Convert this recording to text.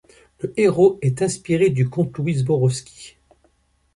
Le héros est inspiré du comte Louis Zborowski.